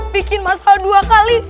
bikin masalah dua kali